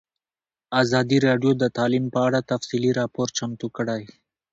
ازادي راډیو د تعلیم په اړه تفصیلي راپور چمتو کړی.